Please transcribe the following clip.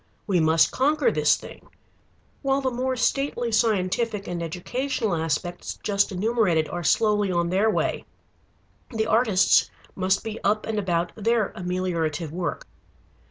We must conquer this thing. While the more stately scientific and educational aspects just enumerated are slowly on their way, the artists must be up and about their ameliorative work.